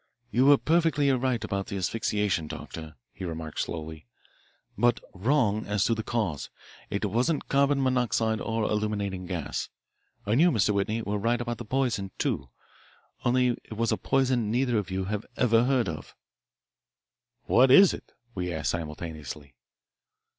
"You were perfectly right about the asphyxiation, Doctor," he remarked slowly, "but wrong as to the cause. It wasn't carbon monoxide or illuminating gas. And you, Mr. Whitney, were right about the poison, too. Only it is a poison neither of you ever heard of." "What is it?" we asked simultaneously.